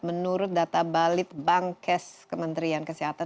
menurut data balit bank kes kementerian kesehatan